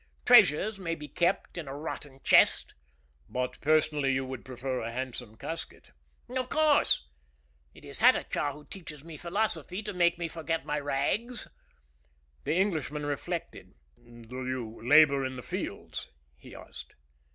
Treasures may be kept in a rotten chest." "But personally you would prefer a handsome casket?" "Of course. It is Hatatcha who teaches me philosophy to make me forget my rags." The Englishman reflected. "Do you labor in the fields?" he asked.